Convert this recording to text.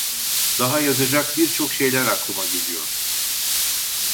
Daha yazacak birçok şeyler aklıma geliyor…